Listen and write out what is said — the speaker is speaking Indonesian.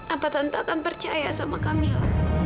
apa tante akan percaya sama camilla